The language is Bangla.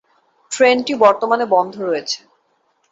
ট্রেনটি বর্তমানে বন্ধ রয়েছে।